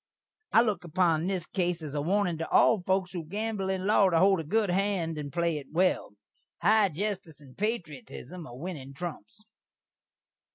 I look upon this case as a warnin' to all foaks who gambel in law to hold a good hand and play it well. High jestice and patriotism are winning trumps.